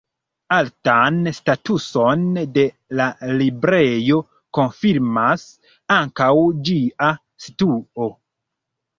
Altan statuson de la librejo konfirmas ankaŭ ĝia situo.